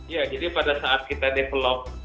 ya jadi pada saat kita develop